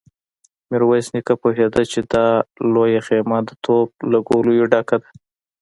ميرويس نيکه وپوهيد چې دا لويه خيمه د توپ له ګوليو ډکه ده.